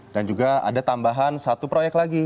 juga ada tambahan satu proyek lagi